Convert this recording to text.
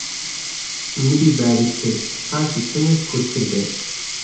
ملی باریکتر، قاچی کەمێک کورتتر بێت